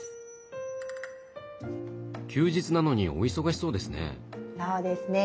休日なのにお忙しそうですね？